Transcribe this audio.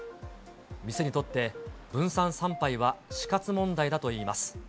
店にとって、分散参拝は死活問題だといいます。